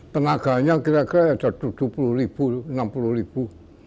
tenaganya kira kira ada dua puluh ribu enam puluh ribu